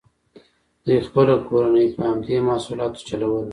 دوی خپله کورنۍ په همدې محصولاتو چلوله.